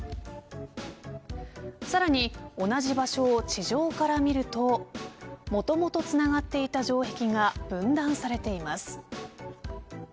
さらに同じ場所を地上から見るともともとつながっていた城壁が分断されています。